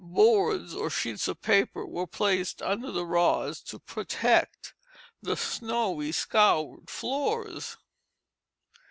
Boards or sheets of paper were placed under the rods to protect the snowy, scoured floors.